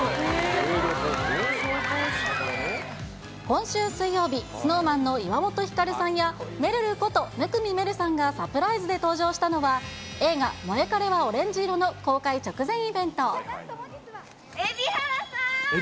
今週水曜日、ＳｎｏｗＭａｎの岩本照さんやめるること生見愛瑠さんがサプライズで登場したのは、映画、モエカレはオレンジ色の公開直前イベント。